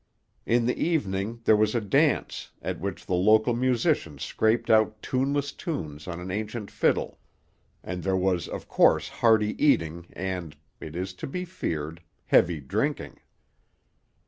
In the evening there was a dance, at which the local musician scraped out tuneless tunes on an ancient fiddle; and there was of course hearty eating and, it is to be feared, heavy drinking.